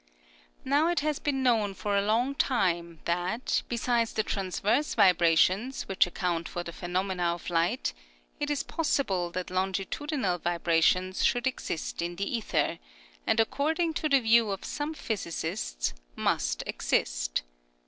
Now it has been known for a long time that, besides the transverse vi brations which account for the phenomena of light, it is possible that longitudinal vi brations should exist in the ether, and ac cording to the view of some physicists must exist.